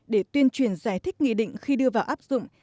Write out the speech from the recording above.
để tuyên truyền giải thích nghị định khi đưa vào áp dụng